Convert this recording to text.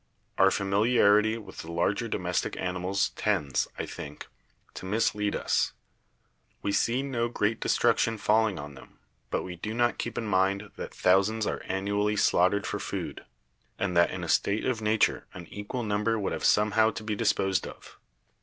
Our famili arity with the larger domestic animals tends, I think, to mislead us; we see no great destruction falling on them, but we do not keep in mind that thousands are annually salughtered for food, and that in a state of nature an equal number would have somehow to be disposed of.